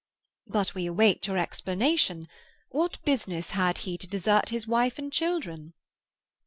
"But we await your explanation. What business has he to desert his wife and children?"